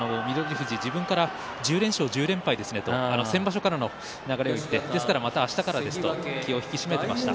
富士、自分から１０連勝１０連敗ですねと先場所からの流れを言ってですからまたあしたからですと気を引き締めていました。